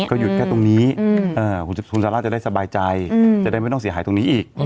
ก็หยุดแค่ตรงนี้คุณซาร่าจะได้สบายใจจะได้ไม่ต้องเสียหายตรงนี้อีก